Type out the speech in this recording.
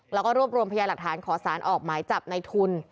แล้วก็รวบรวมพยาหลักฐานขอสารออกหมายจับในทุน